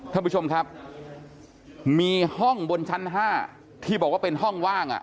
ท่านผู้ชมครับมีห้องบนชั้น๕ที่บอกว่าเป็นห้องว่างอ่ะ